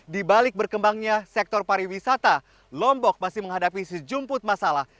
di balik berkembangnya sektor pariwisata lombok masih menghadapi sejumput masalah